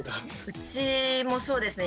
うちもそうですね。